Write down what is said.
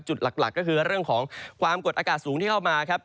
จุดหลักก็คือเรื่องของความกดอากาศสูงที่เข้ามาครับ